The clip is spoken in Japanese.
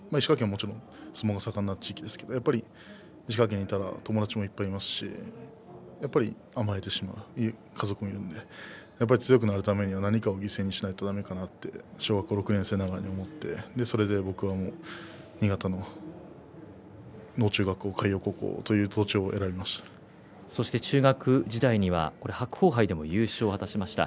もちろん相撲が盛んな地域ですけど、石川県にいたら友達もいっぱいいますし甘えてしまう、家族もいるので強くなるためには何かを犠牲にしないとだめかなと小学校６年生ながらに思って新潟の能生中学校、海洋高校と中学時代には白鵬杯で優勝を果たしました。